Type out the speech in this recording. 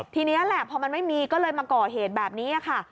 ทีนี้แหละพอมันไม่มีก็เลยมาก่อเหตุแบบนี้ค่ะ